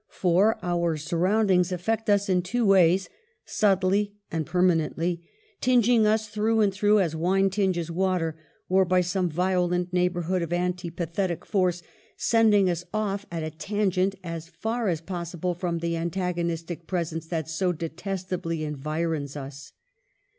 For our surround ings affect us in two ways ; subtly and perma nently, tingeing us through and through as wine tinges water, or, by some violent neighborhood of antipathetic force, sending us off at a tangent as far as possible from the antagonistic presence that so detestably environs us.